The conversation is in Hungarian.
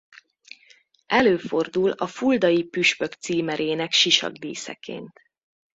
Előfordul a fuldai püspök címerének sisakdíszeként.